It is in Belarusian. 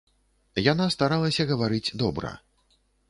Яна старалася гаварыць добра.